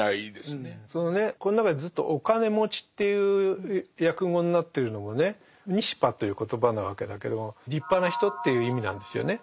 そのねこの中でずっと「お金持ち」っていう訳語になってるのもね「ニシパ」という言葉なわけだけども「立派な人」っていう意味なんですよね。